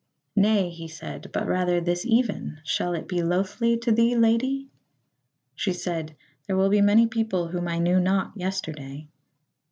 "Nay," he said, "but rather this even; shall it be loathly to thee, lady?" She said: "There will be many people whom I knew not yesterday."